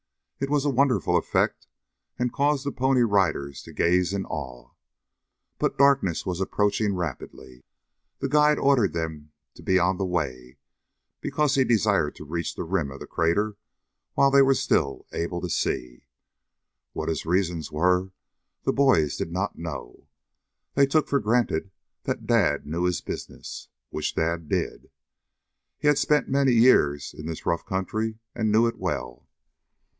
It was a wonderful effect and caused the Pony Riders to gaze in awe. But darkness was approaching rapidly. The guide ordered them to be on the way, because he desired to reach the rim of the crater while they still were able to see. What his reasons were the boys did not know. They took for granted that Dad knew his business, which Dad did. He had spent many years in this rough country and knew it well.